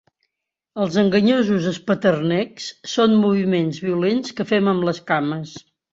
Els enganyosos espeternecs són moviments violents que fem amb les cames.